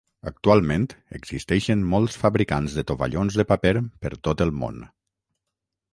Actualment existeixen molts fabricants de tovallons de paper per tot el món.